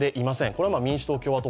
これは民主党共和党